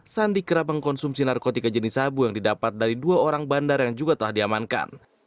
sandi kerap mengkonsumsi narkotika jenis sabu yang didapat dari dua orang bandar yang juga telah diamankan